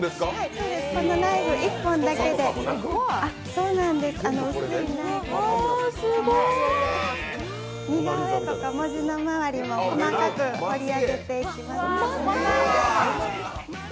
そうなんです、このナイフ１本だけで。似顔絵とか文字の周りも細かく彫り上げていきます。